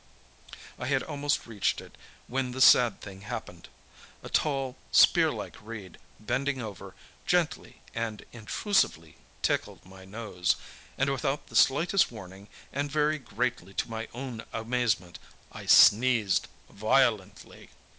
I had almost reached it when the sad thing happened. A tall, spear like reed, bending over, gently and intrusively tickled my nose, and without the slightest warning, and very greatly to my own amazement, I sneezed violently.